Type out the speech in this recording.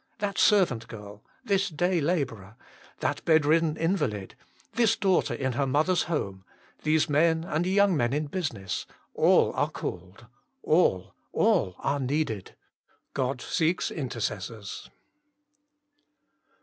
That servant girl, this day labourer, that bedridden invalid, this daughter in her mother s home, these men and young men in business all are called, all, all are needed. God seeks intercessors.